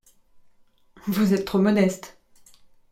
Vous êtes trop modeste.